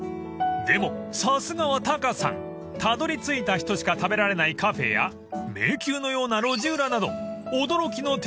［でもさすがはタカさん］［たどり着いた人しか食べられないカフェや迷宮のような路地裏など］